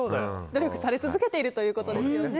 努力され続けているということですね。